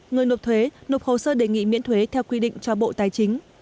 người nộp thuế nộp hồ sơ đề nghị miễn thuế theo quy định cho bộ tài chính